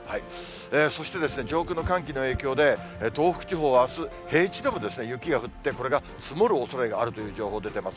そして上空の寒気の影響で、東北地方はあす、平地でも雪が降って、これが積もるおそれがあるという情報出てます。